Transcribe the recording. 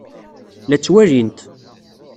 La ttwalint.